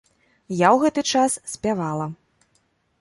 Я ў гэты час спявала.